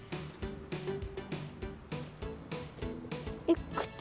えっ？